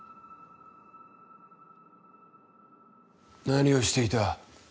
何をしていた？